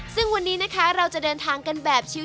ซึ่งวันนี้นะคะเราจะเดินทางกันแบบชิว